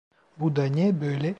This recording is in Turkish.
Bu da ne böyle?